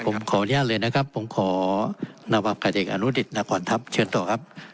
ผมขออนุญาตเลยนะครับผมขอนวับกาเอกอนุดิตนครทัพเชิญต่อครับ